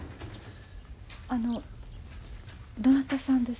あのどなたさんです？